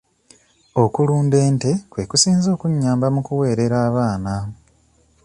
Okulunda ente kwe kusinze okunnyamba mu kuweerera abaana.